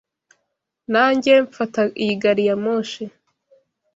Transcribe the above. Nanjye mfata iyi gari ya moshi.